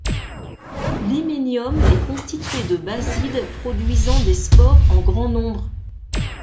L'hyménium est constitué de basides produisant des spores en grand nombre.